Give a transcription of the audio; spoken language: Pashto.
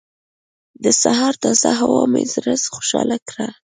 د سهار تازه هوا مې زړه خوشحاله کړ.